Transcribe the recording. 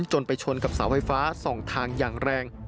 จนไปชนกับเสาไฟฟ้า๒ทางอย่างแรง